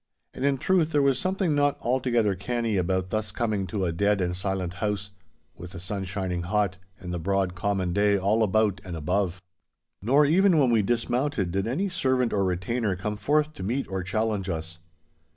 And in truth there was something not altogether canny about thus coming to a dead and silent house, with the sun shining hot and the broad common day all about and above. Nor even when we dismounted did any servant or retainer come forth to meet or challenge us.